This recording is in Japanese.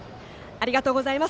ありがとうございます。